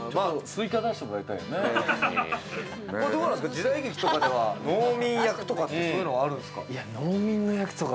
時代劇とかでは農民役とかってあるんですか？